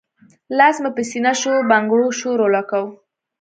لاس مې پۀ سينه شو بنګړو شور اولګوو